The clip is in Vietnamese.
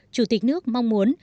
chủ tịch nước mong muốn